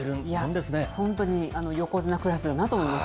本当に、横綱クラスだなと思います。